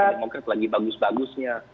demokrat lagi bagus bagusnya